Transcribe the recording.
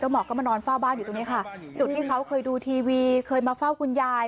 หมอก็มานอนเฝ้าบ้านอยู่ตรงนี้ค่ะจุดที่เขาเคยดูทีวีเคยมาเฝ้าคุณยาย